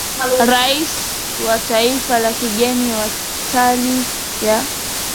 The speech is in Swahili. Rais wa taifa la kigeni kwa staili ya